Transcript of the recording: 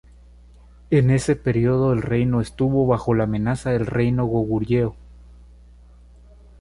En ese periodo el reino estuvo bajo la amenaza del reino Goguryeo.